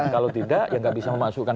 kalau tidak ya nggak bisa memasukkan